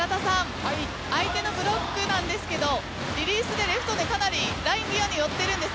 相手のブロックですがリリースでレフトにライン際に寄っているんです。